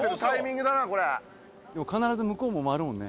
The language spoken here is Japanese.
これでも必ず向こうも回るもんね・